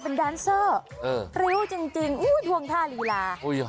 เพลงดังเพลงฮิตมาอีกแล้ว